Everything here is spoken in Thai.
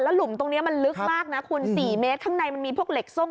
หลุมตรงนี้มันลึกมากนะคุณ๔เมตรข้างในมันมีพวกเหล็กส้ม